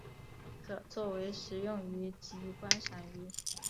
可做为食用鱼及观赏鱼。